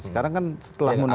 sekarang kan setelah munasilup